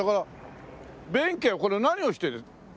弁慶はこれ何をしてる？